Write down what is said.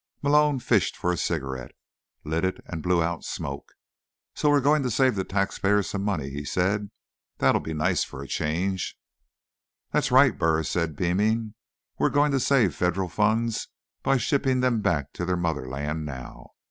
Malone fished for a cigarette, lit it and blew out smoke. "So we're going to save the taxpayers some money," he said. "That'll be nice for a change." "That's right," Burris said, beaming. "We're going to save Federal funds by shipping them back to their motherland now.